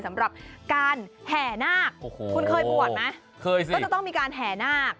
สำหรับการแห่นาคคุณเคยบวชไหมเคยสิก็จะต้องมีการแห่นาค